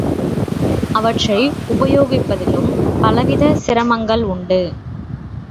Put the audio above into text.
அவற்றை உபயோகிப்பதிலும் பலவித சிரமங்கள் உண்டு.